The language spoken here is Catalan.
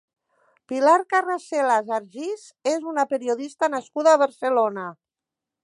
Pilar Carracelas Argiz és una periodista nascuda a Barcelona.